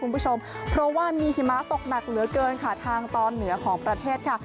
เพราะว่ามีหิมะตกหนักเหลือเกินทางตอนเหนือของประเทศค่ะ